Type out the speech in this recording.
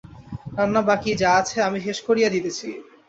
রান্না বাকি যা আছে আমি শেষ করিয়া দিতেছি।